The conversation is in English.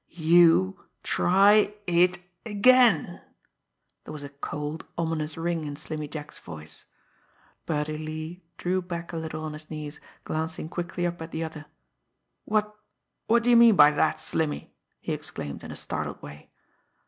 "You try it again!" There was a cold, ominous ring in Slimmy Jack's voice. Birdie Lee drew back a little on his knees, glancing quickly up at the other. "What what d'ye mean by that, Slimmy!" he exclaimed in a startled way.